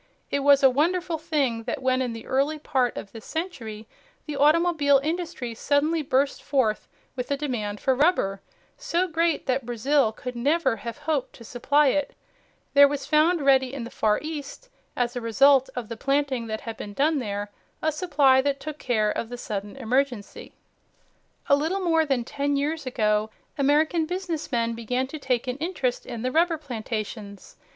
It was a wonderful thing that when in the early part of this century the automobile industry suddenly burst forth with a demand for rubber so great that Brazil could never have hoped to supply it, there was found ready in the Far East, as a result of the planting that had been done there, a supply that took care of the sudden emergency. A little more than ten years ago American business men began to take an interest in the rubber plantations.